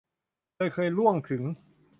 โดยเคยร่วงถึง